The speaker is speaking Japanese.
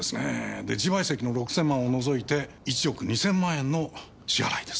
で自賠責の６０００万を除いて１億２０００万円の支払いです。